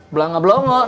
blak gak blok